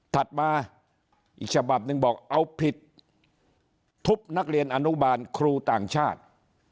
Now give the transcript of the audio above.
ถัดมาอีกฉบับหนึ่งบอกเอาผิดทุบนักเรียนอนุบาลครูต่างชาติ